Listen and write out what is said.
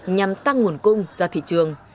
nhằm tăng nguồn cung ra thị trường